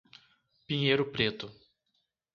Pinheiro Preto